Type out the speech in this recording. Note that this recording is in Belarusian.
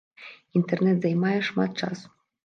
Інтэрнэт займае шмат часу.